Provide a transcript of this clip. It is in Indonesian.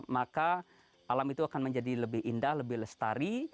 maka alam itu akan menjadi lebih indah lebih lestari